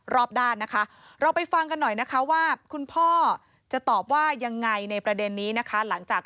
ก็เป็นข่าวดังนะคะ